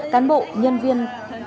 cán bộ nhân viên